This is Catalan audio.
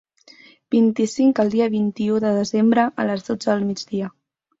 Vint-i-cinc el dia vint-i-u de desembre a les dotze del migdia.